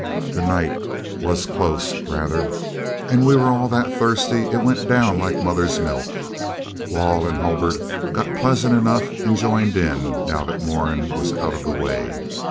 The night was close rather, and we were all that thirsty it went down like mother's milk. Wall and Hulbert got pleasant enough and joined in, now that Moran was out of the way.